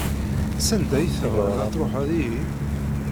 Sanda i tebɣiḍ ad tṛuḥeḍ ihi?